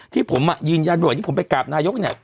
ที่ผมอะยืนยัดโดยที่ผมไปกะบนายกเนี่ย